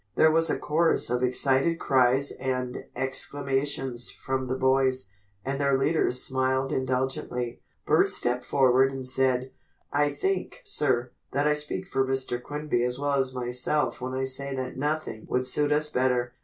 There was a chorus of excited cries and exclamations from the boys, and their leaders smiled indulgently. Bert stepped forward and said: "I think, sir, that I speak for Mr. Quinby as well as myself when I say that nothing would suit us better."